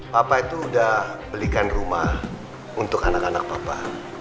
papa itu sudah belikan rumah untuk anak anak papa